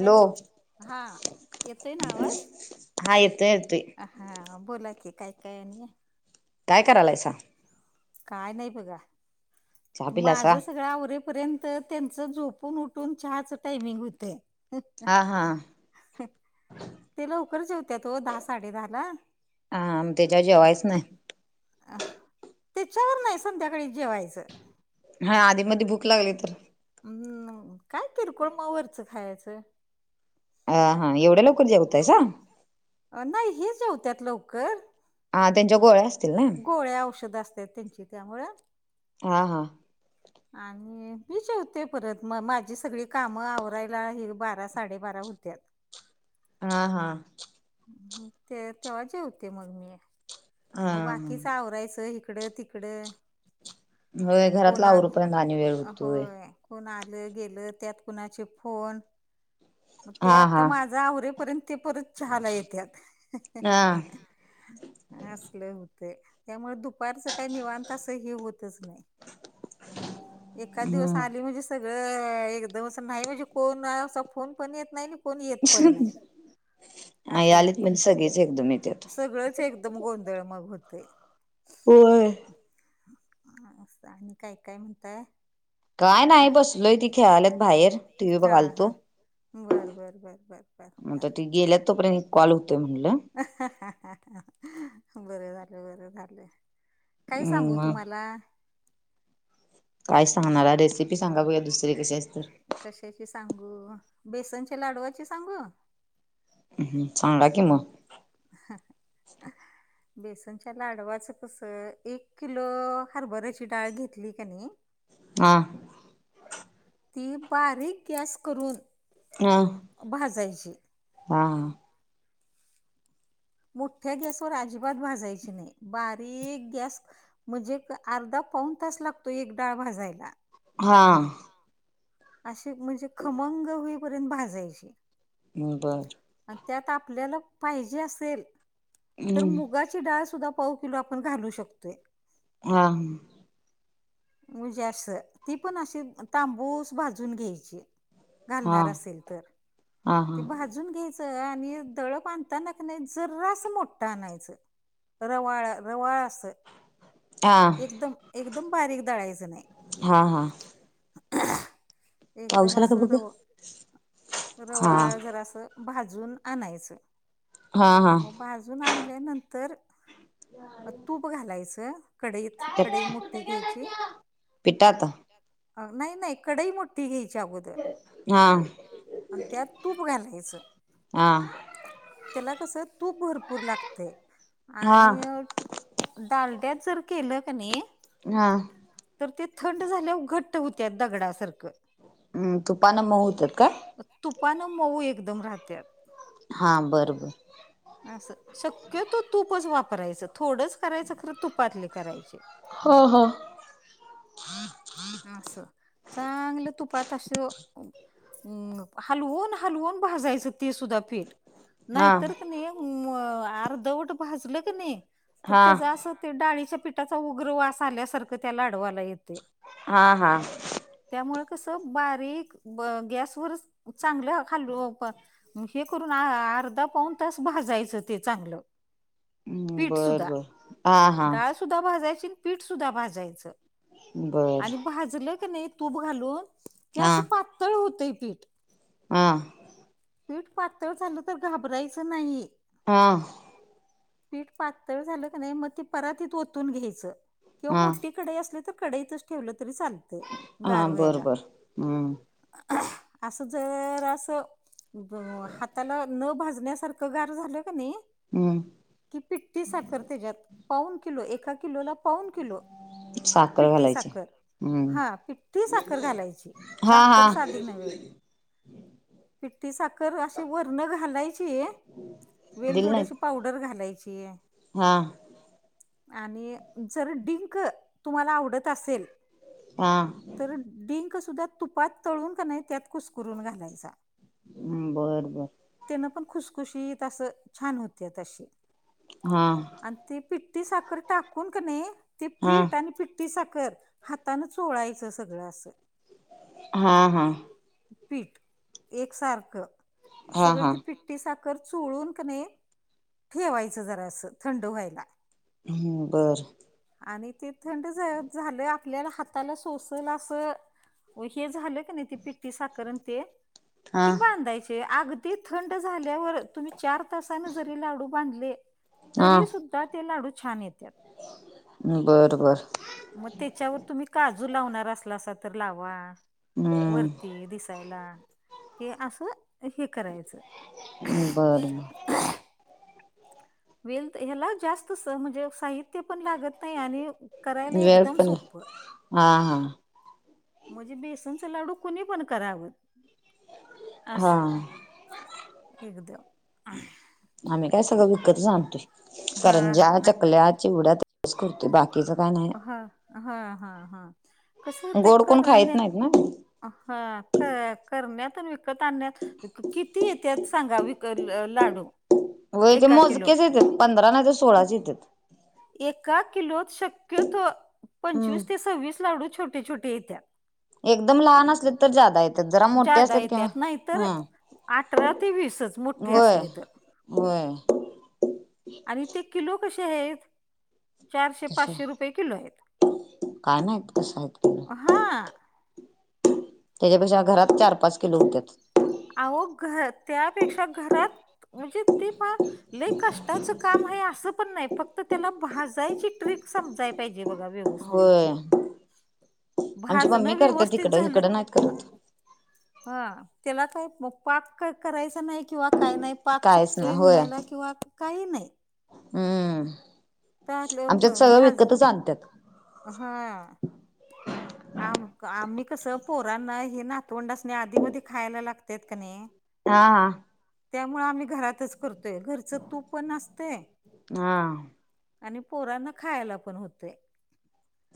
Hello हा येतोय ना आवाज हा येतोय येतोय हा बोला की काय काय आणि काय करालायसा काय नाही बघा चहा माझ पिलासा सगळं आवरेपर्यंत त्यांच झोपून उठून चहाच टायमिंग हुतय हां हां ती लवकर जेवत्यात ओ दहा साडे दहा ला हा तेच्यावर जेवायच नाही तिच्यावर नाही संध्याकाळीच जेवायचं हा आधी मधी भूक लागली तर हू काय किरकोळ म वरचं खायाचं हा हा आणि एवढ्या लवकर जेवतायसा नाही हे जेवत्यात लवकर हा त्यांच्या गोळ्या असतील ना गोळ्या औषध असत्यात त्यांची त्यामुळ हा हा आणि मी जेवते परत म माझी सगळी कामं आवरायला हे बारा साडेबारा हुत्यात हा हा ते तेव्हा जेवते मग मी मग हा बाकीच आवरायचं हिकडं तिकडं होय घरातल कोण आल आवरुपर्यंत आणि वेळ हूतोय होय कोण आलं गेलं त्यात कुणाचे फोन म ते हा आता हा माझ आवरेपर्यंत ते परत चहा ला येत्यात हा अस लय होतय त्यामुळ दुपारच काय निवांत असं हे होतच नाही एखाद दिवस हम्म आली म्हणजे सगळं एकदमंच नाही म्हणजे कोण असा फोन पण येत नाही कोण येत पण नाही आई असं आलीत होतय म्हणजे सगळीच एकदम येत्यात सगळंच एक दम गोधळ मग होतय होय हा अस आणि काय काय म्हणताय काय नाही बसलोय ती खेळाल्यात बाहेर टी व्ही हा हा बघालतो बर बर बर बर बर बर आता ती गेल्यात तोपर्यंत कॉल होतय म्हणलं बर झाल बर झाल काय सांगू हम्म तुम्हाला काय सांगणार रेसिपी सांगा बघुया दुसरी कशाचि तर कशाची सांगू बेसनच्या लाडूवाची सांगू हम्म सांगा की मग. [inaudible] [inaudible] बेसनच्या लाडवाचं कसं, एक किलो हरभऱ्याची डाळ घेतली का नाही हा. ती बारीक गॅस करून हा. भाजायची. हा. मोठ्या गॅसवर अजिबात भाजायचे नाही. बारीक गॅस म्हणजे अर्धा पाऊन तास लागतो एक डाळ भाजायला. हां. अशीच म्हणजे खमंग होईपर्यंत भाजायचे. ह् बरं. अन त्यात आपल्याला पाहिजे असेल तर हा मुगाची डाळ सुद्धा पाव किलो आपण घालू शकतोय. हा. म्हणजे अस ती पण अशी तांबूस भाजून घ्यायची. हा घालणार असेल तर. हा की भाजुन भाजून घ्यायचं आणि दळण आणताना का नाही जर्रास मोठ आणायचं. रवाळा रवाळा अस. हा. एकदम एकदम बारीक दळायचं नाही. हा हा. पाऊस ऐकदम आला का असं बघ रव हा रवाळ जरा असं भाजून आणायचं. हा हा मग भाजून आणल्यानंतर मग तूप घालायचं कढईत. कढई मोठी घ्यायची पिठात नाही नाही कढई मोठी ती घ्यायची अगोदर हा त्यात तूप घालायचं. हा त्याला कस तूप भरपूर लागते हा आणि डालड्यात जर केलं का नाही? हा. तर ते थंड झाल्यावर घट्ट होत्या दगडासारखं. हम् तूपान मऊ होतेत काय? तुपानं मऊ एकदम राहत्यात. हा बरं बर. असं. शक्य तो तूपच वापरायच. थोडंच करायचं खरं तुपातले करायचे. हा हा. असं चांगल तुपात असं हम् हलवून हलवून भाजायचं ते सुद्धा पीठ हा नाहीतर क नाही म अर्धवट भाजलं क नाही तर हा त्याच अस ते डाळीच्या पिठाचा उग्रवास आल्यासारखं त्याला लाडवाला येत. हा हा. त्यामुळ कस बारीक ब- गॅसवरच चांगलं खाल हे करून आ-आर्धा पाऊन तास भाजायचं ते चांगलं. पीठ बर सुद्धा बर हा हा. [unintelligible] पीठ सुधा भाजायच बर आणि भाजलं क नही. तूप घालून हे अस पातळ होतंय पीठ. हां. पीठ पातळ झालं तर घाबरायचं नाही. हां. पीठ पातळ झालं क नाही, मग ते परातीत ओतून घ्यायच किंवा हा मोठी कडई असली तर कडईतच ठेवल तरी चाल हा बर बर हम्म. असं जर असं हाताला न भाजण्या सारख गार झाल क नही. हम. कि पिठ्ठी साखर त्याच्यात पाऊन किलो एका किलोला पाऊन किलो. साखर पिठ्ठी घालायची साखर हम्म हा पिठ्ठी साखर घालायची. हा हा साखर आधी नव्हे पिठी साखर अशी वरण घालायची. दिल नाहीत वेलदोड्याची पावडर घालायची. हा आणि जर डिंक तुम्हाला आवडत असेल. हा. तर डिंक सुद्धा तुपात तळून क नही त्यात कुसकुरून घालायचा. हम्म बरं बरं. तेन पण खुसखुशी अस छान होतेत अशी. हां. आणि ती पिठी साखर टाकून क नही ते हा पीठ आणि पिठ ती साखर हातान चोळायचं सगळं असं. हा हा. पीठ एकसारखं हा सगळ हा ते पीठ साखर चोळून कनई ठेवायच जरा असं थंड व्हायला. हम्म बरं. आणि ते थंड ‌झा-झालं आपल्याला हाताला सोसल असं हे झालं पिठ्ठी साखर आणि ते हा की बांधायचे. ते थंड झाल्यावर तुम्ही चार तासानं जरी लाडू बांधले हा तरी सुद्धा ते लाडू छान येतात. बरं बरं. मग त्याच्यावर तुम्ही काजू लावणार असला सा तर लावा. हम्म वरती दिसायला हे असं हे करायचं. बरं. वेल्थ ह्याला जास्त म्हणजे साहित ते पण लागत नाही आणि करायला वेळ एकदम पण सोपं. हा हा. म्हणजे बेसनच लाडू कुणी पण करावं हा असं. एकदा. आम्ही काय सगळं विकतच आणतोय हा हा करंज्या, नाही चकल्या, चिवड्याच तेवढाच करतो. बाकी हा हा हा हा कस होतय गोड कोण खायत करण्या नाहीत ना हा आ करण्यात विकत आणण्यात किती येतेत सांगा विकत लाडू व्हय ते एका मोजक्येच किलोत येतेत पंधरा नाही तर सोळाच येतात. एका किलोत शक्यतो हम्म पंचवीस ते सव्वीस लाडू छोटे छोटे येत्यात. एकदम लहान असले तर जादा येतात जरा मोठे जादा असलेत किंवा येत्यात नाहीतर हम् अठरा ते वीसच मोठे असले तर. होय आणि ते किलो कसे आहेत? चारशे तसे पाचशे रुपये किलो आहेत काय नाहीत कसं आहेत किलो हा. त्याच्यापेक्षा घरात चार पाच किलो होत्यात. अहो घर त्यापेक्षा घरात म्हणजे ते पहा लय कष्टाचं काम आहे असं पण नाही फक्त त्याला भाजायची ट्रीक समजाय पाहिजे बघा व्यवस्थित होय आमची मम्मी भाजणं करते व्यवस्थित तिकडं झालं इकडं नाहीत करत हा त्याला काय मग पाक करायचा नाही किंवा काही नाही पाक कायच चुकतोय नाही होय म्हणायला किंवा काही नाही. हम्म त्यातले आमच्यात सगळं विकतच आणत्यात. अ हा. आम आम्ही कसं पोरांना हे नातवंडासणी आधीमध्ये खायला लागतेत का नाही. हा. हा. त्यामुळें आम्ही घरातच करतोय घरचं तूप पण असतंय. हा आणि पोरांना खायला पण होतय.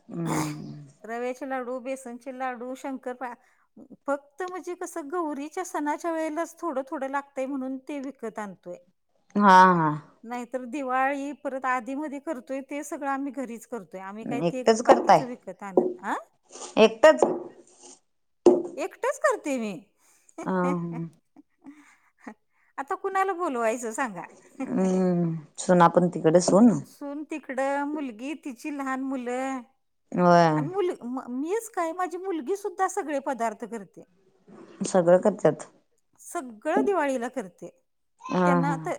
हम्म. रव्याचे लाडू, बेसनाचे लाडू, शंकर पाळ्या फक्त म्हणजे कसं गौरीच्या सणाच्या वेळेलाच थोडं थोडं लागतंय म्हणून ते विकत आणतो. [unintelligible] हा. हा. नाहीतर दिवाळी परत आधी मधी करतोय ते सगळं आम्ही घरीच. करतोय आम्ही काही ते एकटच करताय बाकीच विकत आणत नाही. एकटच एकटंच करते मी आता कुणाला बोलवायचं सांगा. हम्म. सुना पण तिकडं सून सून तिकडं मुलगी तिची लहान मुलं होय आणि मुलं म मीच काय माझी मुलगी सुद्धा सगळे पदार्थ करते. सगळं करत्यात सगळं दिवाळीला करते हा त्यांना आ हा तर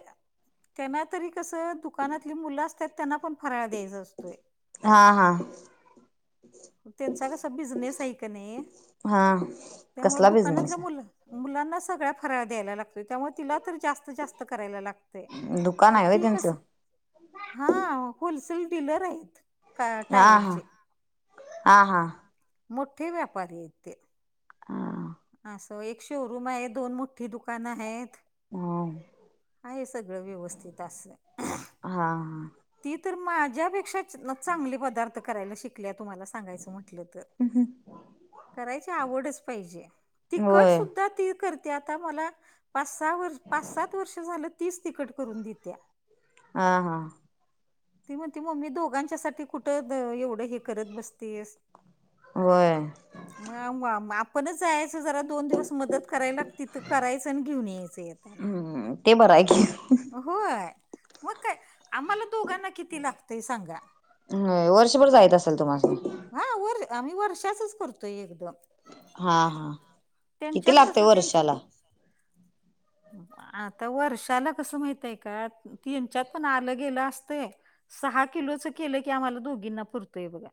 त्यांना तरी कस दुकानातली मुलं असतात त्यांना पण फराळ द्यायचा असतोय. हा. हा. त्यांचा कसा बिझनेस आहे का नाही हा त्यामुळ कसला बिझनेस दुकानातलं मुलं मुलांना सगळ्या फराळ द्यायला लागतोय त्यामुळे तिला तर जास्त जास्त करायला लागतंय आहे दुकान मग आहे होय ती त्यांचं कस हा होलसेल डीलर आहे. आ हा. आ हा. मोठे व्यापारी आहेत ते. हा. असं एक शोरूम आहे, दोन मोठी दुकानं आहेत. आहे सगळं व्यवस्थित असं. हा हा. ती तर माझ्यापेक्षा चांगले पदार्थ करायला शिकल्या, तुम्हाला सांगायचं म्हटलं तर. ह हं. करायची आवडच पाहिजे, होय तीखटसुद्धा ती करते. आता मला पाच सहा वर् पाच सात वर्ष झालं, तीच तिकट करून दित्या. आं हा. ती म्हणती मम्मी दोघांच्यासाठी कुठं एवढं हे करत बसतेस. होय. म म आपणच जायाचं जरा दोन दिवस मदत कराय लागती, तर करायचं आणि घेऊन यायचं येताना. हम्म ते बरं आहे की होय मग काय आम्हाला दोघांना किती लागतंय सांगा. होय वर्षभर जाईत असंल तुम्हास्नी? हा वर आम्ही वर्षाचच करतोय एकदम. हा हा हांं किती त्यांच्यात लागतय कसं वर्षाला त्यांच्यात आता वर्षाला कसं माहितंय का, तेनच्यात पण आलं गेलं असतंय. सहा किलोच केलं, की आम्हाला दोघींना पुरतंय बघा.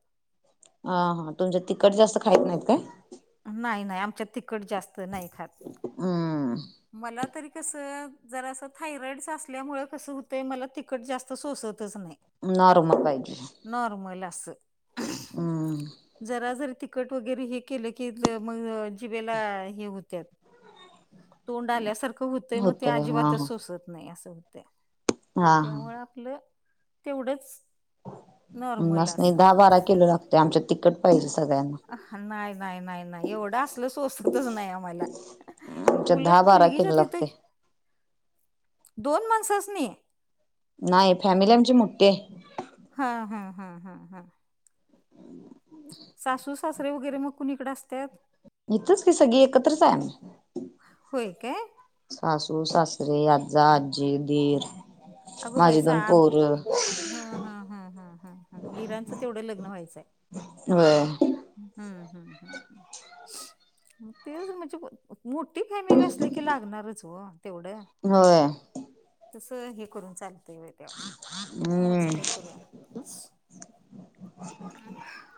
आ हा तुमचं तिखट जास्त खाईत नाहीत काय? नाही नाही, आमच्यात तिखट जास्त नाही खात. अं. मला तरी कसं, जरासं थायरॉईडचं असल्यामुळं कसं हुतंय मला ति खट जास्त सोसतच नाही. नॉर्मल पाहिजे. नॉर्मल असं, हम्म जरा जरी ति खट वगैरे हे केलं की, ज मग जिबेला हे होत्यात. तोंड आल्यासारखं होतंय, मग ते होतय हा अजिबातच हा सोसत नाही असं होतंय. हा हा त्यामुळं आपलं तेवढंच नॉर्मल आम्हास्नी असं दहा बारा किलो लागतंय, आमच्या तिखट पाहिजे सगळ्यांना. अहं नाही नाही नाही नाही, एवढं असलं सोसतच नाही आम्हाला. आमच्यात दहा उलट बारा मुलगीच्या किलो तिथं लागते. दोन माणसांस्नी? नाही फॅमिली आमची मोठी हाय. हा हा हा हा हा. सासू सासरे वगैरे मग कुणीकडे असत्यात? इथंच की, सगळी एकत्रच हाय आम्ही. होय काय. सासू, सासरे, आजा, आजी, दीर. अगो बाई, माझी सा दोन हं पोरं हं हं हं हं हं दिराचं तेवढं लग्न व्हायचं हाय? होय. हं हं हं हं. तेच म्हणजे ब मोठी फॅमिली असली की लागणारच ओ. तेवढं होय तसं हे करून चालतंय व्हय. तेव्हा मोजकं हम्म करून. [inaudible] ह [unintelligible]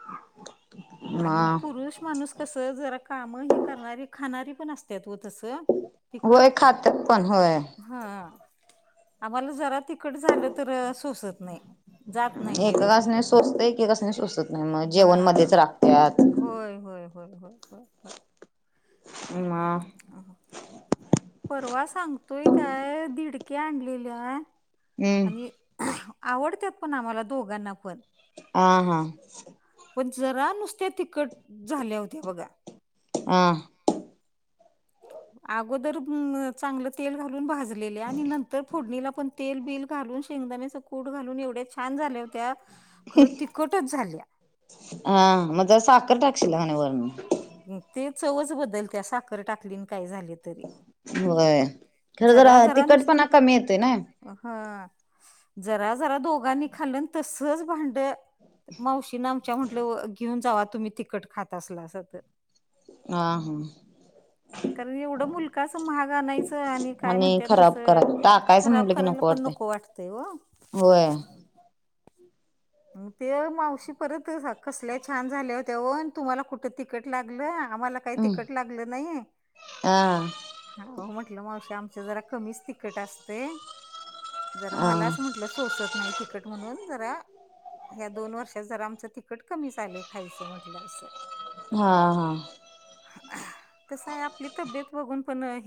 म आणि पुरुष माणूस कसं जरा काम ही करणारी खाणारी पण असत्यात व तसं. तिखट वय खात्यात पण होय. हा आम्हाला जरा तिखट झालं तर सोसत नाही. जात नाही एकका जेवण कस नाही सोसत एककास नाही सोसत नाही मग जेवण हा मध्येच राखत्यात. होय होय होय होय होय. म. परवा सांगतोय काय दिडक्या आणलेल्या हम्म आणि आवडत्यात पण आम्हाला दोघांना पण. हा हा. पण जरा नुसत्या तिखट झाल्या होत्या बघा. हा. अगोदर म चांगलं तेल घालून भाजलेल्या आणि नंतर फोडणीला पण तेल बिल घालून शेंगदाण्याचं कूट घालून एवढ्या छान झाल्या होत्या. खरं तिखटच झाल्या म जरा साखर टाकशील आणि वरन. ते चवच बदलत्या साखर टाकलीन काय झाले तरी. व्हाय खरं जरा तिखट पणा कमी येते ना. हा जरा जरा दोघांनी खाल्लंन तसच भांड मावशी ना आमच्या म्हटलं घेऊन जा तुम्ही तिकखट खात असलासा तर ह हा. कारण एवढं मुलखा चं महागा आणायचं आणि काय म्हणतात खराब तसं कराय टाकायचं खराब म्हटलं की करायला पण वाटतय नको वाटतंय व. होय म ते मावशी परत कसल्या छान झाल्या होते. न तुम्हाला कुठ तिकट लागलं आम्हाला काही हा तिकट लागलं नाही. हो हो म्हंटलं मावश आमच जरा कमीच तिकट असते. जरा हा मलाच म्हट लं सोसत नाही तखट म्हणून जरा ह्या दोन वर्षात जर आमचं तखट कमी झालंय खायचं म्हटलं असं. हा हा. कस आहे आपली तब्येत बघून पण हे